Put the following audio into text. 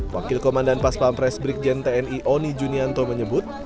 wakil komandan pas pampres brikjen tni oni junianto menyebut